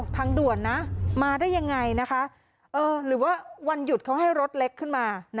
ทางด่วนนะมาได้ยังไงนะคะหรือว่าวันหยุดเขาให้รถเล็กขึ้นมา